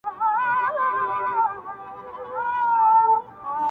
دا شاهي زلفې دې په شاه او په گدا کي نسته